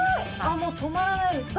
もう止まらないですね。